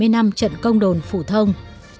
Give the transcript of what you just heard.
bảy mươi năm trận công đồn phủ thông